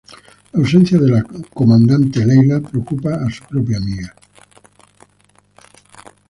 La ausencia de la comandante Leila preocupa a su propia amiga.